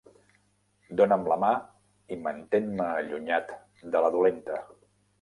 Dóna'm la mà i mantén-me allunyat de la dolenta.